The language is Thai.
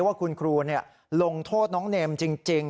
ว่าคุณครูลงโทษน้องเนมจริง